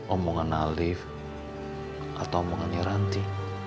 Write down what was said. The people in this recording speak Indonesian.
omongan lift atau omongannya ranti